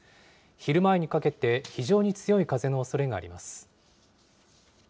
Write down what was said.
昼前にかけて、非常に強い風のおそれがあります。